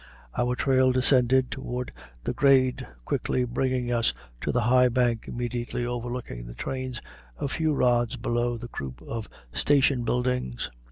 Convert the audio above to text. Our trail descended toward the grade, quickly bringing us to a high bank immediately overlooking the trains a few rods below the group of station buildings.